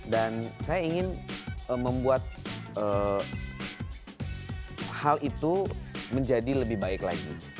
dan saya ingin membuat hal itu menjadi lebih baik lagi